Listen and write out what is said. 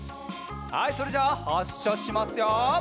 はいそれじゃあはっしゃしますよ！